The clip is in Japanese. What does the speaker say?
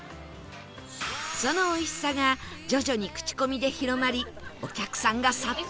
そのおいしさが徐々に口コミで広まりお客さんが殺到！